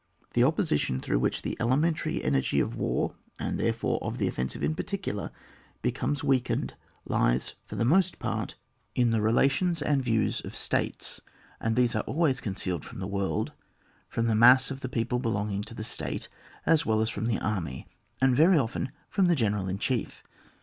The opposition through which the elemen tary energy of war, and therefore of the offensive in particular, becomes weakened, lies for the most part in the relations and 94 ON WAR. BOOKTt. views of states, and these are always con cealed from the world, from the mass of the people belonging to the state, as well as from the army, and very often from the general in chief